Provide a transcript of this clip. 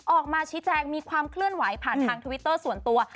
ออกมาชี้แจงมีความเคลื่อนไหวผ่านทางทวิตเตอร์ส่วนตัว